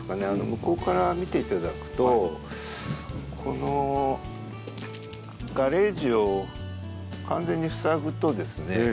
向こうから見て頂くとこのガレージを完全に塞ぐとですね